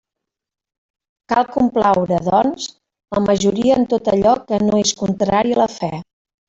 Cal complaure, doncs, la majoria en tot allò que no és contrari a la fe.